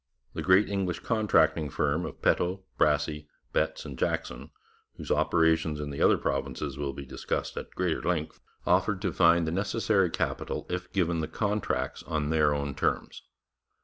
The great English contracting firm of Peto, Brassey, Betts and Jackson, whose operations in the other provinces will be discussed at greater length, offered to find the necessary capital if given the contracts on their own terms.